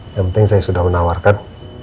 yang penting saya sudah menawarkan